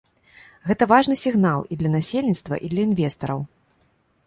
Гэта важны сігнал і для насельніцтва і для інвестараў.